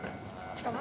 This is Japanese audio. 近場？